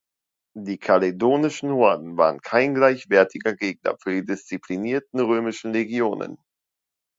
Die kaledonischen Horden waren kein gleichwertiger Gegner für die disziplinierten römischen Legionen.